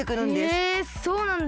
へえそうなんだ。